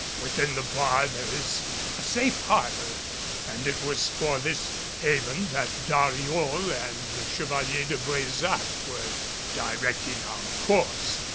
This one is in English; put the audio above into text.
Within the bar there is a safe harbor, and it was for this haven that Dariol and the Chevalier de Brésac were directing our course.